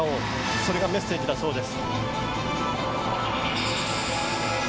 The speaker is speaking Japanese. それがメッセージだそうです。